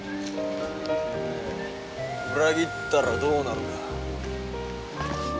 裏切ったらどうなるか。